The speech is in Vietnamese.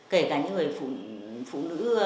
kể cả những người phụ nữ